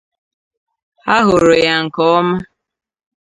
Ha hụrụ ya nke ọma